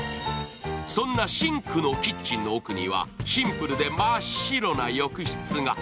そんな深紅のキッチンの奥にはシンプルで真っ白な浴室が。